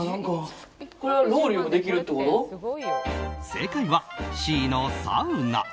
正解はＣのサウナ。